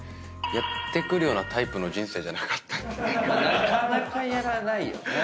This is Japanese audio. なかなかやらないよね。